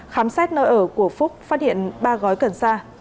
khám xét nơi ở của phúc phát hiện ba gói cần sa